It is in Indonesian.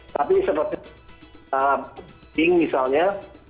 tapi seperti peking misalnya